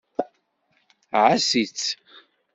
Ɛass-itt.